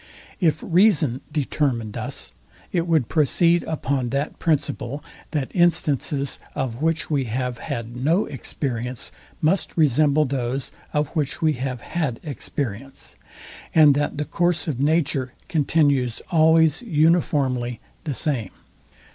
If reason determined us, it would proceed upon that principle, that instances, of which we have had no experience, must resemble those, of which we have had experience, and that the course of nature continues always uniformly the same.